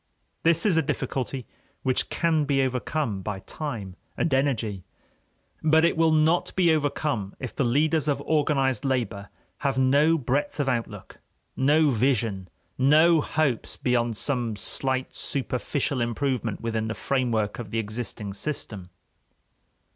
This is a difficulty which can be overcome by time and energy. But it will not be overcome if the leaders of organized labor have no breadth of outlook, no vision, no hopes beyond some slight superficial improvement within the framework of the existing system.